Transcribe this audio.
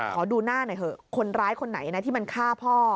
ขอดูหน้าหน่อยเถอะคนร้ายคนไหนนะที่มันฆ่าพ่อ